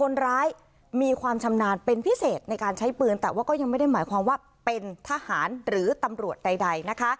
คนร้ายมีความชำนาญเป็นพิเศษในการใช้ปืนแต่ว่าก็ยังไม่ได้หมายความว่าเป็นทหารหรือตำรวจใดนะคะ